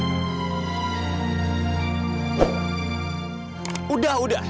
kamu bisa lihat sendiri